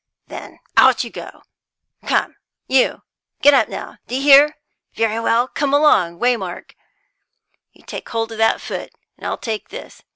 "Then out you go! Come, you, get up now; d' you hear? Very well; come along, Waymark; you take hold of that foot, and I'll take this.